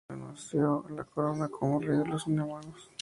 Con eso, renunció a la corona como rey de los Inhumanos.